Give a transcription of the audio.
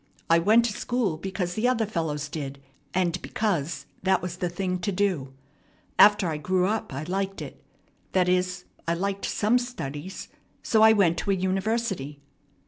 I went to school because the other fellows did, and because that was the thing to do. After I grew up I liked it. That is, I liked some studies; so I went to a university."